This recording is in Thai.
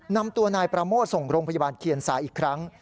นำตัวนายประโมทส่งโรงพยาบาลเคียนซาอีกครั้ง